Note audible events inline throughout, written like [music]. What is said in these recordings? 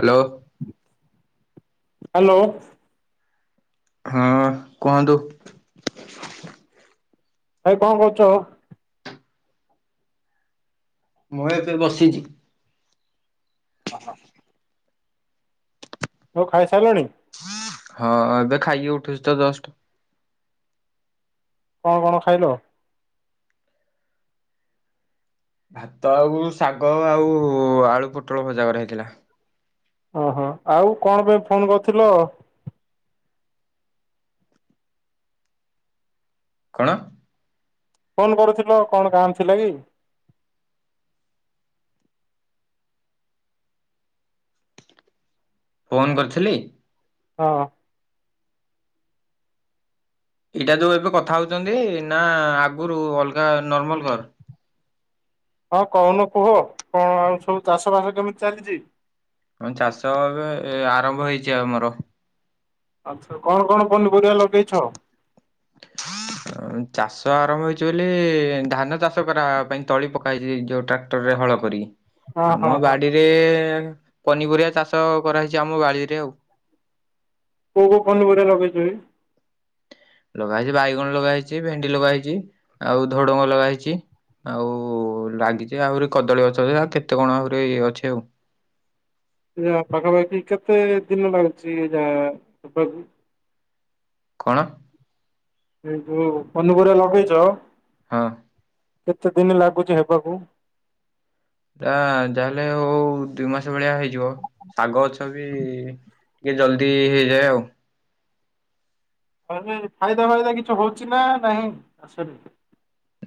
Hello. Hello. ହଁ କୁହନ୍ତୁ। ଭାଇ କଣ କରୁଛ? ମୁଁ ଏବେ ବସିଛି। [unintelligible] ଆଉ ଖାଇସାରିଲଣି? ହଁ ଏବେ ଖାଇକି ଉଠୁଛି ତ ଯଷ୍ଟ। କଣ କଣ ଖାଇଲ? ଭାତ ଆଉ ଶାଗ ଆଉ ଆଳୁ ପୋଟଳ ଭଜା କରା ହେଇଥିଲା। ଓ ହୋ ଆଉ କଣ ପାଇଁ ଫୋନ୍ କରିଥିଲ? କଣ? ଫୋନ୍ କରୁଥିଲ କଣ କାମ ଥିଲା କି? ଫୋନ୍ କରିଥିଲି? ହଁ। ଏଇଟା ଯୋଉ ଏବେ କଥା ହଉଛନ୍ତି ନା ଆଗରୁ ଅଲଗା ନର୍ମାଲ କଲ୍ ହଁ କହୁନ କୁହ କଣ ଆଉ ସବୁ ଚାଷବାସ କେମିତି ଚାଲିଛି? ହଁ ଚାଷ ଏବେ ଆରମ୍ଭ ହେଇଛି ଆମର। ଆଚ୍ଛା, କଣ କଣ ପନିପରିବା ଲଗେଇଛ? [unintelligible] ଚାଷ ଆରମ୍ଭ ହେଇଛି ବୋଲି ଧାନ ଚାଷ କରାହବା ପାଇଁ ତଳି ପକା ହେଇଛି ଯୋଉ ଟ୍ରାକ୍ ଟ୍ରାକ୍ଟରରେ ହଳ କରି ହଁ ହଁ ଆମ ହଁ ବାଡିରେ ପନିପରିବା ଚାଷ କରାହେଇଛି ଆମ ବାଡିରେ ଆଉ। କୋଉ କୋଉ ପନିପରିବା ଲଗେଇଛ କି? ଲଗା ହେଇଛି ବାଇଗଣ ଲଗା ହେଇଛି ଭେଣ୍ଡି ଲଗା ହେଇଛି ଆଉ ଧୁଡଙ୍ଗ ଲଗା ହେଇଛି। ଆଉ ଲାଗିଛି ଆହୁରି କଦଳୀ ଗଛ ଯେ ଆ କେତେ କଣ ଆହୁରି ଅଛି ଆଉ। ଏ ପାଖାପାଖି କେତେ ଦିନ ଲାଗୁଛି ଯା କଣ? ଏ ଯୋଉ ପନିପରିବା ଲଗେଇଛ ହଁ କେତେ ଦିନ ଲାଗୁଛି ହେବାକୁ? ତା ଯାହେଲେ ହଉ ଦୁଇ ମାସ ଭଳିଆ ହେଇଯିବ ଶାଗ ଗଛ ବି ଟିକେ ଜଲ୍ଦି ହେଇଯାଏ ଆଉ। ଫାଇଦା ଫାଇଦା କିଛି ହଉଛି ନା ନାହିଁ ଆସିଲି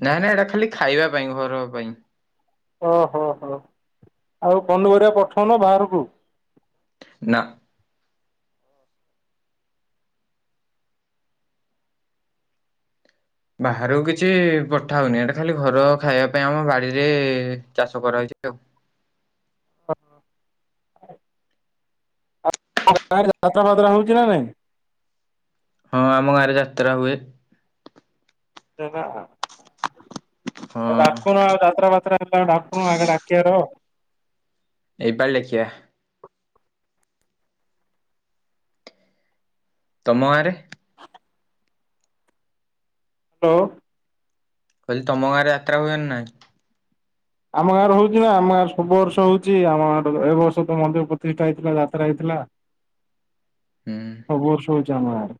ନାଁ ନାଁ ଏଇଟା ଖାଲି ଖାଇବା ପାଇଁ ଘର ପାଇଁ। ଓହୋ ହୋ ଆଉ ପନି ପରିବା ପଠଉନ ବାହାରକୁ? ନାଁ। ବାହାରକୁ କିଛି ପଠା ହଉନି ଏଟା ଖାଲି ଘର ଖାଇବା ପାଇଁ ଆମ ବାଡ଼ିରେ ଚାଷ କରାହେଇଛି ଆଉ। [unintelligible] ତମ ଗାଁରେ ଯାତ୍ରା ଫାତ୍ରା ହଉଛି ନା ନାଇଁ? ହଁ ଆମ ଗାଁ ରେ ଯାତ୍ରା ହୁଏ। [unintelligible] ତ ହଁ ଡାକୁନ ଆଉ ଯାତ୍ରା ଫାତ୍ରା ହେଲେ ଡାକୁନ ଆଗେ ଡାକିିବାର ଏଇ ପାଳି ଲେଖିଆ ତମ ଆରେ? [inaudible] ହ୍ୟାଲୋ ମୁଁ କହିଲି ତମ ଗାଁରେ ଯାତ୍ରା ହୁଏ ନା ନାଁଇ? ଆମ ଗାଁରେ ହଉଛି ନା ଆମ ଗାଁ ସବୁ ବର୍ଷ ହଉଛି ଆମ ଗାଁର ଏ ବର୍ଷ ତ ମନ୍ଦିର ପ୍ରତିଷ୍ଠା ହେଇଥିଲା ଯାତ୍ରା ହେଇଥିଲା। ହୁଁ। ସବୁ ବର୍ଷ ହଉଚି ଆମ ଗାଁରେ।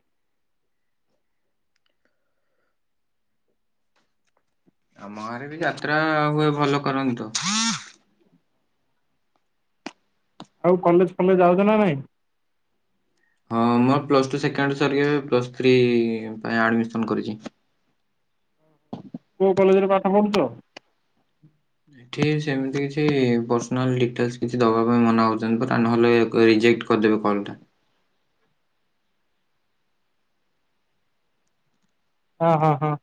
ଆମ ଗାଁ ରେ ବି ଯାତ୍ରା ହୁଏ ଭଲ କରନ୍ତି ତ। ଆଉ କଲେଜ୍ ଫଲେଜ୍ ଯାଉଛ ନା ନାଇଁ। ହଁ ମୋର ପ୍ଲସ୍ ଟୁ ସେକେଣ୍ଡ ଇୟର୍ ସରିିକ ପ୍ଲସ୍ ଥ୍ରୀ ପାଇଁ ଆଡ଼ମିସନ୍ କରିଛି। କୋଉ କଲେଜ୍ ରେ ପାଠ ପଢୁଛ। ଏଠି ସେମିତି କିଛି ପର୍ସନାଲ ଡିଟେଲସ୍ କିଛି ଦବା ପାଇଁ ମନା କରିଛନ୍ତି ପରା ନହେଲେ ରିଜେକ୍ଟ୍। କରିଦେବେ କଲ୍ ଟା। ଅହ ହଁ।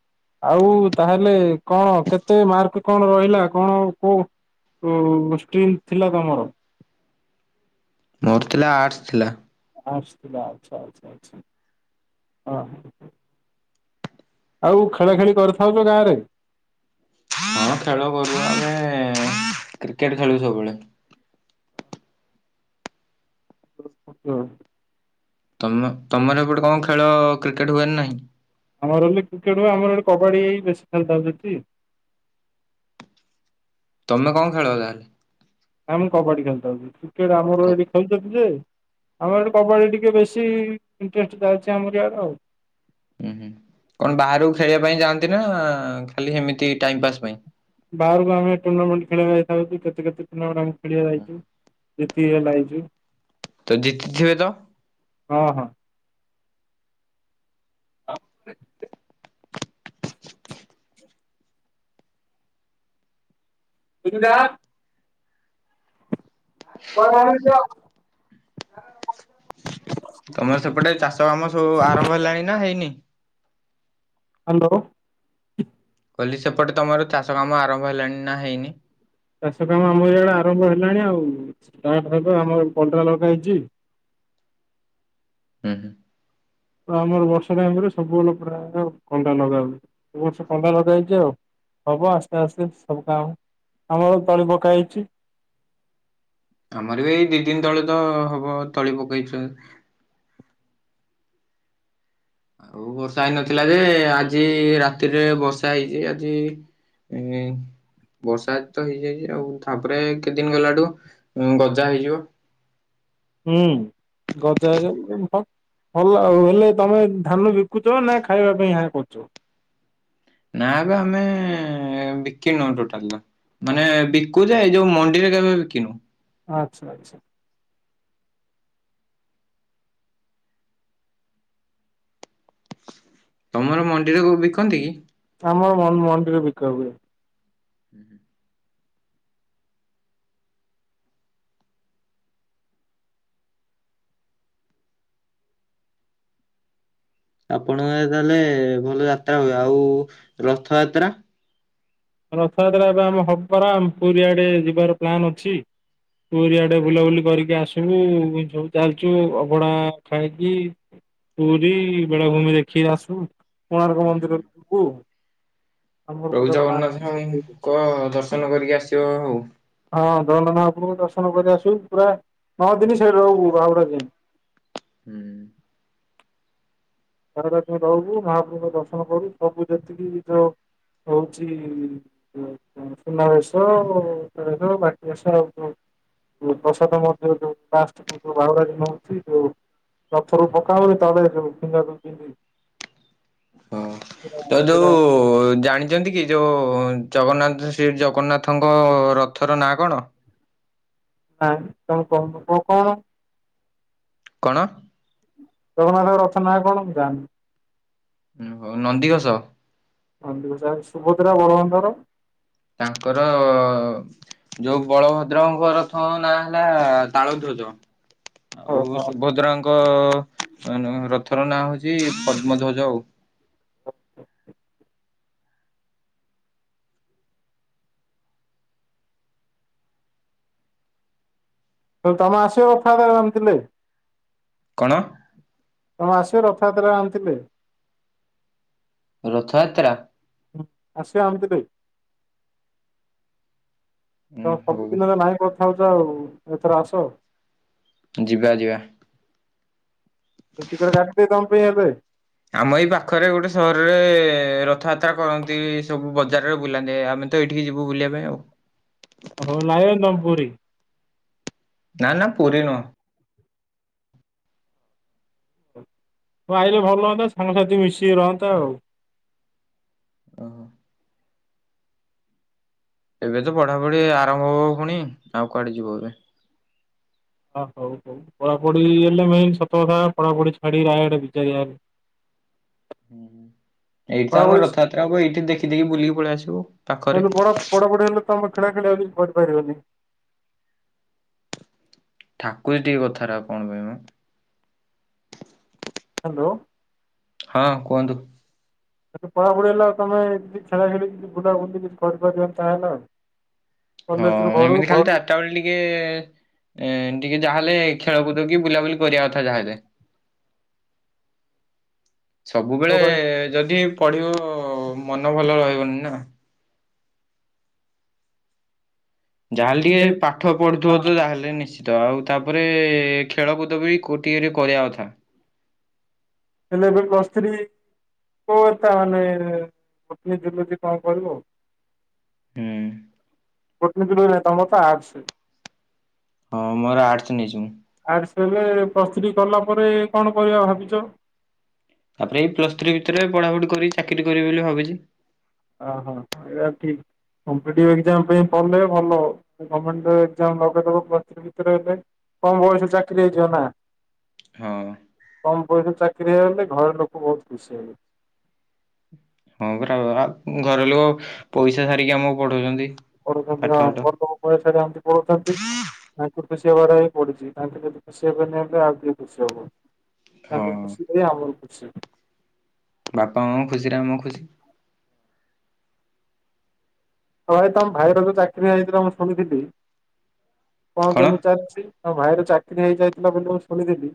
ଆଉ ତାହେଲେ କଣ କେତେ ମାର୍କ କଣ ରହିଲା କଣ କୋଉ। କୋଉ ଷ୍ଟ୍ରିମ୍ ଥିଲା ତମର। ମୋର ଥିଲା ଆର୍ଟସ୍ ଥିଲା। ଆସଥିଲା ଆଚ୍ଛା ଆଛା ଆଚ୍ଛା ହ ହ। ଆଉ ଖେଳା ଖେଳି କରିଥାଉଛ ଗାଁରେ। ହଁ ଖେଳ କରୁ ଆମେ କ୍ରିକେଟ ଖେଳୁ ସବୁବେଳେ। ହୁଁ। ତମ ତମର ଏପଟେ କଣ ଖେଳ କ୍ରିକେଟ୍ ହୁଏନା ନାହିଁ। ଆମର ବି କ୍ରିକେଟ ହୁଏ। ଆମର ଆଡେ କବାଡ଼ି ବେଶୀ ଖେଳିଥାଉ ସେଠି। ତମେ କଣ ଖେଳ ତାହେଲେ? ହଁ, ମୁଁ କବାଡି ଖେଳିଥାଉଚି। କ୍ରିକେଟ କ ଆମର ଏଇଠି ଖେଳୁଛନ୍ତି ଯେ ଆମର ଏଠି କବାଡ଼ି ଟିକେ ବେଶୀ ଇଣ୍ଟରେଷ୍ଟଟ ଥାଉଛି, ଆମର ଇଆଡେ ଆଉ। ହୁଁ, ହୁଁ। କଣ ବାହାରକୁ ଖେଳିବା ପାଇଁ ଯାଆନ୍ତି ନା, ଖାଲି ଏମିତି ଟାଇମ ପାସ୍ ପାଇଁ? ବାହାରକୁ ଆମେ ଟୁର୍ଣ୍ଣାମେଣ୍ଟ ଖେଳିବା ଯାଇଥାଉଛୁ। କେତେ କେତେ ପିଲାଗୁଡ଼ାକ ଖେଳିବା ଯାଇଛୁ। ଜିତିକି ହେଲେ ଆଇଚୁ। ତ, ଜିତିଥିବେ ତ? ହଁ, ହଁ। [unintelligible] [inaudible] [unintelligible] [unintelligible] ତମର ସେପଟେ ଚାଷ କାମ ସବୁ ଆରମ୍ଭ ହେଲାଣି ନା, ହେଇନି? ହ୍ୟାଲୋ। କହିଲି, ସେପଟେ ତମର ଚାଷ କାମ ଆରମ୍ଭ ହେଲାଣି ନା, ହେଇନି? ଚାଷ କାମ ଆମ ଏଇଆଡ଼େ ଆରମ୍ଭ ହେଲାଣି ଆଉ, ଷ୍ଟାର୍ଟ ହେବ। ଆମର କଲରା ଲଗା ହେଇଛି। ହୁଁ ହୁଁ। ତ ଆମର ବର୍ଷା ଟାଇମ୍ ରେ ସବୁବେଳ ପ୍ରାୟ କଲରା ଲଗା ହୁଏ। ଏ ବର୍ଷ କଲରା ଲଗା ହେଇଛି ଆଉ। ହବ, ଆସ୍ତେ ଆସ୍ତେ ସବୁ କାମ ଆମର ତଳି ପକା ହେଇଛି। ଆମର ବି ଏଇ ଦି ଦିନ ତଳେ ତ ହବ ତଳି ପକେଇଛ। ଆଉ ବର୍ଷା ହେଇନଥିଲା ଯେ, ଆଜି ରାତିରେ ବର୍ଷା ହେଇଛି, ଆଜି [unintelligible] ବର୍ଷା ତ ହେଇଯାଇଛି ଆଉ, ତାପରେ କେତେଦିନ ଗଲାଠୁ ଗଜା ହେଇଯିବ। ହୁଁ ଗଜା ହେଇଯିବ [unintelligible] ଭଲ, ଆଉ ହେଲେ ତମେ ଧାନ ବିକୁଛ ନା, ଖାଇବା ପାଇଁ ଏହା କରୁଛ? ନାବେ, ଆମେ ବିକି ନାହୁଁ ଟୋଟାଲ। ମାନେ, ବିକୁ ଯେ, ଯୋଉ ମଣ୍ଡିରେ କେବେ ବିକିନୁ। ଆଚ୍ଛା, ଆଚ୍ଛା। ତମର ମଣ୍ଡିରେ ଉ ବିକନ୍ତି କି? ଆମର ମଣ୍ଡିରେ ବିକା ହୁଏ। [inaudible] ଆପଣଙ୍କ ଆଡେ ତାହେଲେ ଭଲ ଯାତ୍ରା ହୁଏ। ଆଉ ରଥଯାତ୍ରା? ରଥଯାତ୍ରା ଏବେ ଆମ ହବ ପରା। ଆମ ପୁରୀଆଡ଼େ ଯିବାର ପ୍ଲାନ୍ ଅଛି। ପୁରିଆଡେ ବୁଲାବୁଲି କରିକି ଆସିବୁ, ଯୋଉ ଚାଲିଛୁ ଅଭଡା ଖାଇକି ପୁରୀ ବେଳାଭୂମି ଦେଖିକି ଆସୁ, କୋଣାର୍କ ତାହେଲେ ମନ୍ଦିର ଯିବୁ। ଆମର ପ୍ରଭୁ ପୁରା ପ୍ଲାନ୍ ଅଛି। ଜଗନ୍ନାଥଙ୍କ ଦର୍ଶନ କରିକି ଆସିବ ଆଉ। ହଁ, ଜଗନ୍ନାଥ ମହାପ୍ରଭୁ ଦର୍ଶନ କରି ଆସବୁ। ପୁରା ନଅ ଦିନ ସେଇଠି ରହବୁ, ବାହୁଡ଼ା ଯାଏଁ। ହୁଁ। [unintelligible] ରହବୁ। ମହାପ୍ରଭୁଙ୍କ ଦର୍ଶନ କରୁ। ସବୁ ଯେତିକି ଯୋ ହଉଛି। ହ। ସୁନାବେଶ। ବାକିଆ [unintelligible] ଯୋଉ ପ୍ରସାଦ ମଧ୍ୟ, ଯୋଉ ଫାଷ୍ଟ, ଯୋଉ ବାହୁଡ଼ା ଦିନ ହଉଛି, ଯୋଉ। ପ୍ରଥମେ ପକା ହୁଏ। ତାପରେ [unintelligible] ହଁ। ତ ଯୋଉ ଜାଣିଛନ୍ତି କି? ଯୋଉଁ ଜଗନ୍ନାଥ, ଶ୍ରୀ ଜଗନ୍ନାଥଙ୍କ ରଥର ନାଁ କଣ? ନା, ତମେ କହୁନ କ କଣ? କଣ? ଜଗନ୍ନାଥଙ୍କ ରଥର ନାଁ କଣ ଥିଲା? ହ, ହଉ ନନ୍ଦିଘୋଷ। ନନ୍ଦିଘୋଷ ଆଉ ସୁଭଦ୍ରା, ବଳବନ୍ଧର? ତାଙ୍କର ଯୋଉ ବଳଭଦ୍ରଙ୍କ ରଥ ନାଁ ହେଲା ତାଳ ଧ୍ୱଜ। ଆଉ ଓହୋ ସୁଭଦ୍ରାଙ୍କ ରଥର ନାଁ ହଉଛି ପଦ୍ମଧ୍ୱଜ ଆଉ ତମେ ଆସିବ [unintelligible] କଣ? ତମେ ଆସିବ ରଥଯାତ୍ରା ଆମଥିଲେ। ରଥଯାତ୍ରା। ଆସିବା ଆମ ଥିରେ ଉଁ ତ ହଉ ସବୁ ସବୁ ଥରେ ନାହିଁ କଥା ହଉଚ ଆଉ ଏଥର ଆସ ଆଉ ଯିବା ଯିବା। ଟିକେଟ କାଟି ଦେବି ତମ ପାଇଁ ଏବେ। ଆମ ଏଇ ପାଖରେ ଗୋଟେ ସହରରେ ରଥଯାତ୍ରା କରନ୍ତି ସବୁ ବଜାରରେ ବୁଲାନ୍ତି ଆମେ ତ ଏଠିକି ଯିବୁ ବୁଲିବା ପାଇଁ ଆଉ। ହଉ ଲାଏ [unintelligible] ପୁରି। ନା ନା ପୁରୀ ନୁହଁ। ତୁ ଆଇଲେ ଭଲ ହୁଅନ୍ତା ସାଙ୍ଗସାଥି ମିଶିକି ରହନ୍ତା ଆଉ। ଓହୋ। ଏବେ ତ ପଢ଼ାପଢି ଆରମ୍ଭ ହବ ପୁଣି ଆଉ କୁଆଡେ ଯିବ ଏବେ। ହଁ ହଉ ହଉ ପଢାପଢି ହେଲେ ମେନ ସତ କଥା ପଢାପଢି ଛାଡି [unintelligible] ଏଇଠି ତ ଆମ ପଢାପଢି ରଥଯାତ୍ରା ହୁଏ ଏଇଠି ଦେଖି ଦେଇ ବୁଲିକି ପଳେଇ ଆସିବୁ ପାଖରେ। ହେଲେ ପଢା ପଢାପଢି ହେଲେ ତମେ ଖେଳା ଖେଳିି ଆଉ କିଛି କରିପାରିବନି। ଠାକୁରେ ଟିକେ କଥାରା କଣ ପାଇଁ ମ? ହାଲୋ। ହଁ କୁହନ୍ତୁ? ପଢାପଢି ହେଲା ଆଉ ତମେ କିଛି ଖେଳା ଖେଳି କିଛି ବୁଲା ବୁଲି କିଛି କରିବାକୁ ଚାହଁ ନା ଆଉ ହଁ କଲେଜରୁ ଘରୁ ଏମିତି ଖାଲି ଘରୁ ଚାରିଟା ବେଳେ ଟିକେ ଟିକେ ଟିକେ ଯାହାହେଲେ ଖେଳକୁଦ କି ବୁଲାବୁଲି କରିବା କଥା ଯାହାହେଲେ। ସବୁବେଳେ ମୋବାଇଲ ଯଦି ପଢିବୁ ମନ ଭଲ ରହିବନି ନା। ଯାହାହେଲେ ଟିକେ ହଁ। ପାଠ ପଢୁଥିବ ତ ତାହେଲେ ନି ତ ଆଉ ତାପରେ ଖେଳକୁଦ ବି କଉଥି କେରେ କରିବା କଥା। ହେଲେ ଏବେ ପ୍ଳସ ଥ୍ରି କୋଉ ତାହେଲେ [unintelligible] କଣ କରିବ ଆଉ ହୁଁ। [unintelligible] ତମର ତ ଆଡସେ। ହଁ ମୋର ଆଡସ୍ ନେଇଛି ମୁଁ, ଆଡସ୍ ହେଲେ ପ୍ଲସ୍ ଥ୍ରୀ କଲା ପରେ କଣ କରିବା ଭାବିଛ? ତାପରେ ଏଇ ପ୍ଲସ୍ ଥ୍ରୀ ଭିତରେ ପଢ଼ାପଢ଼ି କରି ଚାକିରି କରିବି ବୋଲି ଭାବିଛି, ଓହୋ ହଁ-ହଁ ଏଇଆ ଠିକ୍, କମ୍ପିଡି ଅଗଜାମ ପାଇଁ କଲେ ଭଲ [unintelligible] କମ ବୟସରୁ ଚାକିରି ହେଇଯିବ ନା, ହଁ କମ୍ ବୟସରେ ଚାକିରି ହେଇଗଲେ ଘରେ ଲୋକ ବହୁତ୍ ଖୁସି ହେଇବେ, ହଁ ପରା ଆଉ ଘର ଲୋକ ପଇସା ସାରିକି ଆମକୁ ପଢଉଛନ୍ତି, ପଢ଼ଉଛନ୍ତି ପାଠ ଫାଠ ହଁ [unintelligible] ଆମେ ପଢ଼ୁଛନ୍ତି, ତାଙ୍କୁ ଖୁସି ହବାର ହିଁ ପଡ଼ୁଛି ତାଙ୍କୁ ଯଦି ଖୁସି ହେବେନି ତ ଆଉ କିଏ ଖୁସି ହବ, ହଁ ତାଙ୍କେ ଖୁସି ଥିଲେ ଆମର ଖୁସି, ବାପା ମାଙ୍କ ଖୁସିରେ ଆମ ଖୁସି, ହଉ ଭାଇ ତମ ଭାଇର ଯୋଉ ଚାକିରି ହେଇଥିଲା ମୁଁ ଶୁଣିଥିଲି କଣ କେମିତି ଚାଲିଛି? ତମ ଭାଇର ଚାକିରି ହେଇଯାଇଥିଲା ବୋଲି ମୁଁ ଶୁଣିଥିଲି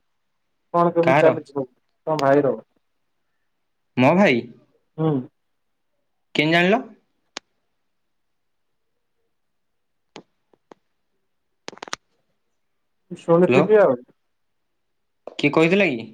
କଣ କେମିତି କାହାର ଚାଲିଛି ତମ ଭାଇର? ମୋ ଭାଇ? ହୁଁ, କେମିତି ଜାଣିଲ? ହ୍ୟାଲୋ ଶୁଣିଥିଲି ଆଉ, କିଏ କହିଥିଲେ କି?